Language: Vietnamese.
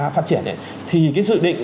phát triển này thì cái dự định